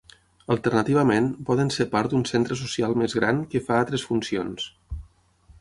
Alternativament, poden ser part d'un centre social més gran que fa altres funcions.